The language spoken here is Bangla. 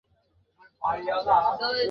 হ্যাঁ, প্রায় শেষ।